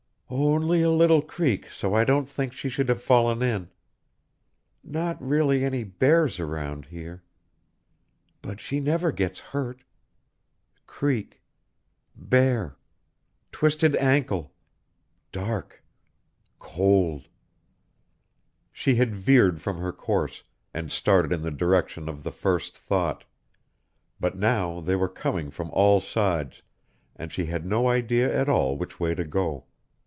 (... only a little creek so I don't think she could have fallen in ... not really any bears around here ... but she never gets hurt ... creek ... bear ... twisted ankle ... dark ... cold....) She had veered from her course and started in the direction of the first thought, but now they were coming from all sides and she had no idea at all which way to go.